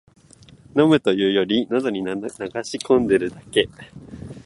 飲むというより、のどに流し込んでるだけ